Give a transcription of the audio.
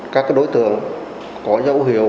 các đối tượng có dấu hiệu